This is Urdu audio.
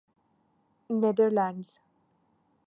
neither lands